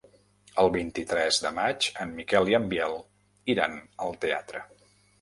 El vint-i-tres de maig en Miquel i en Biel iran al teatre.